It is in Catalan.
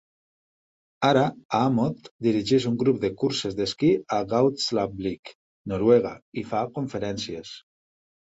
Ara Aamodt dirigeix un grup de curses d'esquí a Gaustablikk, Noruega, i fa conferències.